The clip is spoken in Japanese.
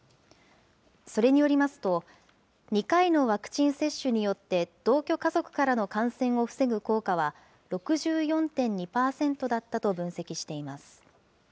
それによりますと、２回のワクチン接種によって同居家族からの感染を防ぐ効果は、６４．２％だったと分析しています。